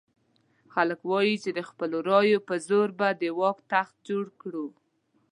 خلک وایي چې د خپلو رایو په زور به د واک تخت جوړ کړو.